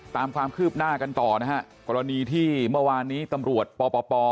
ตามความคืบหน้ากันต่อนะฮะกรณีที่เมื่อวานนี้ตำรวจปป